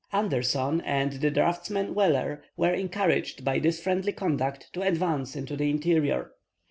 Anderson and the draughtsman Weller were encouraged by this friendly conduct to advance into the interior.